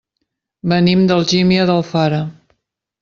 Venim d'Algímia d'Alfara.